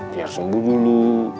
dia harus sembuh dulu